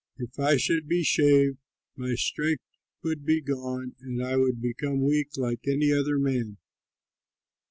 If I should be shaved, my strength would be gone, and I would become weak like any other man."